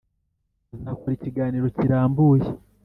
bazakora ikiganiro Kirambuye